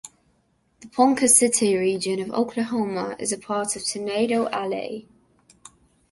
The Ponca City region of Oklahoma is part of "tornado alley".